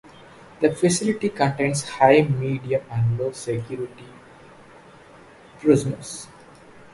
The facility contains high, medium and low security prisoners.